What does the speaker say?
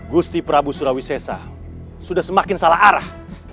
gusti prabu surawis sesa sudah semakin salah arah